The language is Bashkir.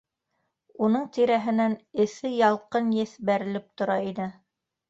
Уның тирәһенән эҫе ялҡын еҫ бәрелеп тора ине.